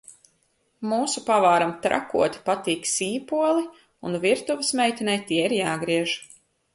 Mūsu pavāram trakoti patīk sīpoli un virtuves meitenei tie ir jāgriež.